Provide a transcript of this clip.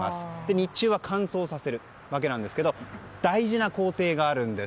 日中は乾燥させるわけなんですが大事な工程があるんです。